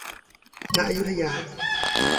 ณ อยุธยา